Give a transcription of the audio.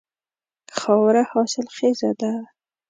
خاوره حاصل خیزه ده.